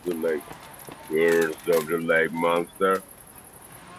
Curse of the Lake Monster.